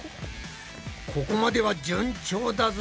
ここまでは順調だぞ。